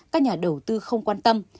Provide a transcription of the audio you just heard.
các nhà đầu tư không quan tâm